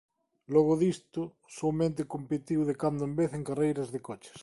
Logo disto soamente competiu de cando en vez en carreiras de coches.